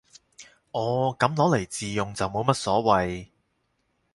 哦，噉攞嚟自用就冇乜所謂